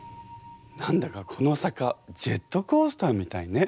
何だかこの坂ジェットコースターみたいね。